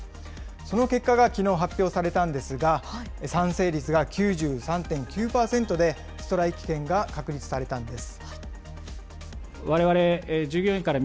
その結果がきのう発表されたんですが、賛成率が９３．９％で、ストライキ権が確立されたんです。